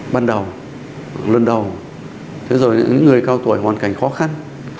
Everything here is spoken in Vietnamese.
ban đầu lần đầu thế rồi những người cao tuổi hoàn cảnh khó khăn